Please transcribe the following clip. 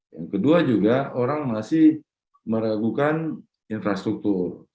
yang kedua juga orang masih meragukan infrastruktur